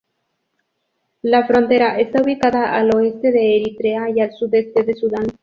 La frontera está ubicada al oeste de Eritrea y al sudeste de Sudán.